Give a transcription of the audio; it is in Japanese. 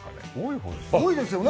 多いですよね。